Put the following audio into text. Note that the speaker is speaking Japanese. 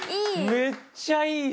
めっちゃいいな！